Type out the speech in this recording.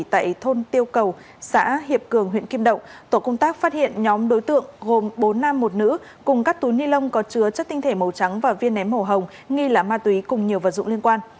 tại thôn tiêu cầu xã hiệp cường huyện kim động tổ công tác phát hiện nhóm đối tượng gồm bốn nam một nữ cùng các túi ni lông có chứa chất tinh thể màu trắng và viên ném màu hồng nghi là ma túy cùng nhiều vật dụng liên quan